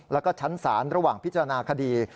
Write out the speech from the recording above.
แล้วก็ชั้นศาลระหว่างพิจารณาคดี